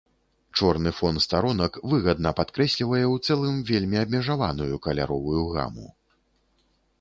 Чорны фон старонак выгадна падкрэслівае ў цэлым вельмі абмежаваную каляровую гаму.